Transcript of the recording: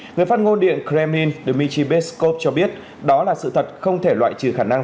người phát ngôn điện kremlin dmitry peskov cho biết đó là sự thật không thể loại trừ khả năng